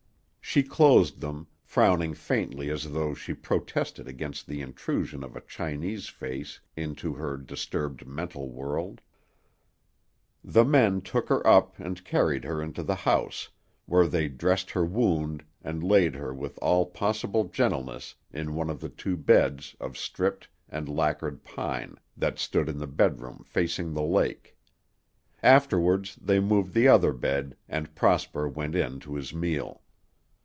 She closed them, frowning faintly as though she protested against the intrusion of a Chinese face into her disturbed mental world. The men took her up and carried her into the house, where they dressed her wound and laid her with all possible gentleness in one of the two beds of stripped and lacquered pine that stood in the bedroom facing the lake. Afterwards they moved the other bed and Prosper went in to his meal.